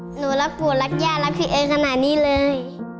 หนูรักปู่รักย่ารักพี่เอขนาดนี้เลย